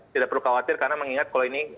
tidak perlu khawatir karena mengingat kalau ini